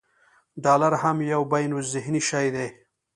ډالر هم یو بینالذهني شی دی.